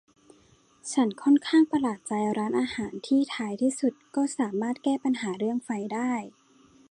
ฉันค่อนข้างประหลาดใจร้านอาหารที่ท้ายที่สุดก็สามารถแก้ปัญหาเรื่องไฟได้